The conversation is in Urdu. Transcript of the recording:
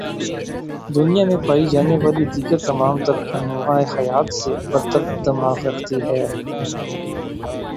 دنیا میں پائی جانے والی دیگر تمام تر انواع حیات سے برتر دماغ رکھتی ہے